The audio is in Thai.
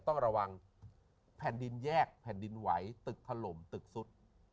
ต้องระวังแผ่นดินแยกแผ่นดินไหวตึกถล่มตึกสุด